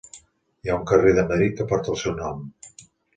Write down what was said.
Hi ha un carrer de Madrid que porta el seu nom.